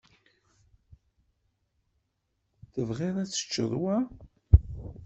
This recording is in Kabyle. Tebɣiḍ ad teččeḍ wa?